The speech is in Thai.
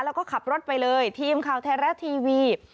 แล้วก็ขับรถไปเลยทีมข่าวไทยรัฐทีวี